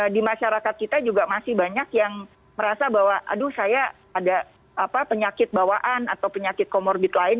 di masyarakat kita juga masih banyak yang merasa bahwa aduh saya ada penyakit bawaan atau penyakit komorbid lain